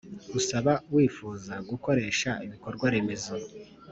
Usaba wifuza gukoresha ibikorwaremezo